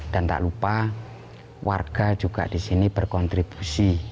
dan tak lupa warga juga disini berkontribusi